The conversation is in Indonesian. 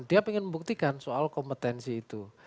dia ingin membuktikan soal kompetensi itu